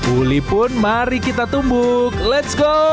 uli pun mari kita tumbuk let's go